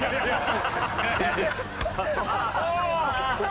ああ！